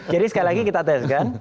jadi sekali lagi kita teskan